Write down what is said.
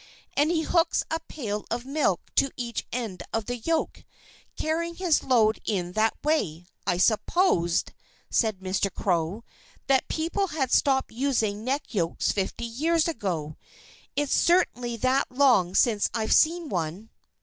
And he hooks a pail of milk to each end of the yoke, carrying his load in that way. I supposed," said Mr. Crow, "that people had stopped using neck yokes fifty years ago. It's certainly that long since I've seen one."